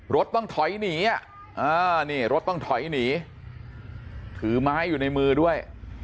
รถต้องถอยหนีนี่รถต้องถอยหนีถือไม้อยู่ในมือด้วย